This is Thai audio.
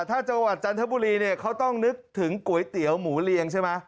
ถ้าจังหวัดจันทบุรีเนี่ยเขาต้องนึกถึงก๋วยเตี๋ยวหมูเรียงใช่ไหม